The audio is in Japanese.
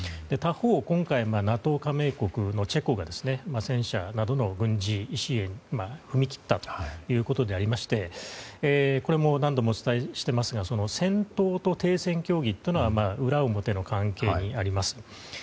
他方、今回ＮＡＴＯ加盟国のチェコが戦車などの軍事支援に踏み切ったということでありましてこれも何度もお伝えしていますが戦闘と停戦協議というのは裏表の関係にあります。